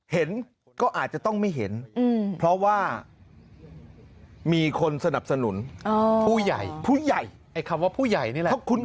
เห็นก็อาจจะต้องไม่เห็นเพราะว่ามีคนสนับสนุนผู้ใหญ่ผู้ใหญ่ไอ้คำว่าผู้ใหญ่นี่แหละ